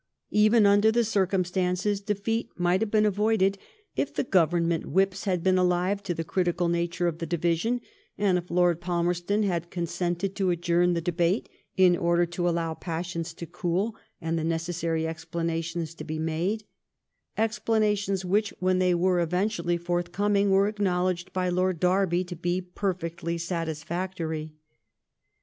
Even under the circumstances, defeat might have been avoided if the Government whips had been alive to the critical nature of the divi (don ; and if Lord Falmerston had consented to adjourn the debate in order to allow passions to cool and the necessary explanations to be made — explanations which, when they were eventually forthcoming, were acknow ledged by Lord Derby to be perfectly satisfactory.